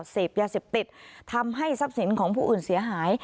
เสพยาเสพติดทำให้ทรัพย์สินของผู้อื่นเสียหาย